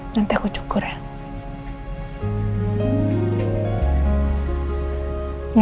nanti aku syukur ya